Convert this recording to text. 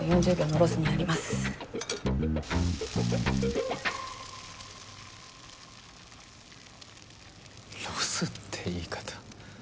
ロスって言い方。